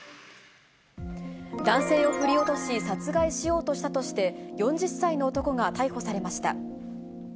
男性を振り落とし、殺害しようとしたとして、４０歳の男が逮捕されました。